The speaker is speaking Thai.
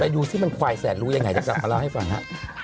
จะลองดูว่ามันควายแสนรู้ยังไงจะกลับมาเล่าให้ฟังฮะ